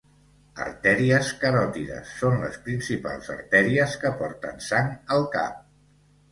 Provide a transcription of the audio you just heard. Artèries caròtides: són les principals artèries que porten sang al cap.